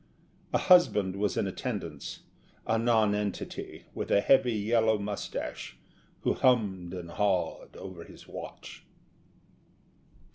A husband was in attendance a nonentity with a heavy yellow moustache, who hummed and hawed over his watch.